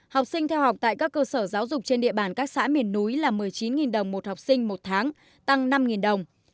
học sinh theo học tại các cơ sở giáo dục trên địa bàn các xã miền núi là một mươi chín đồng một học sinh một tháng tăng năm đồng